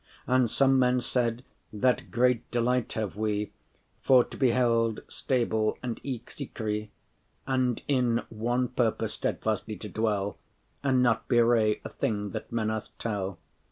And some men said, that great delight have we For to be held stable and eke secre,* *discreet And in one purpose steadfastly to dwell, And not bewray* a thing that men us tell.